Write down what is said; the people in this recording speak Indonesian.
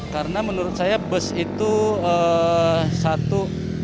karena menurut saya bus itu satu